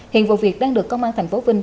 hiện vụ việc đang được công an thành phố vinh